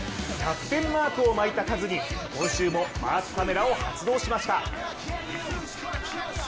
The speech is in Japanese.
キャプテンマークを巻いたカズに今週もマークカメラを発動しました。